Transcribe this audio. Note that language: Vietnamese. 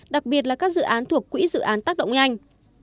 đặc biệt là các dự án thuộc quỹ dự án tác động nhanh